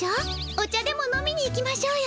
お茶でも飲みに行きましょうよ。